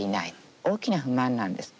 大きな不満なんです。